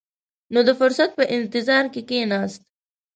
نو د فرصت په انتظار کښېناست.